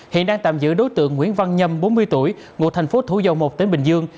hiện đang tạm giữ đối tượng nguyễn văn nhâm bốn mươi tuổi ngụ thành phố thủ dầu một tỉnh bình dương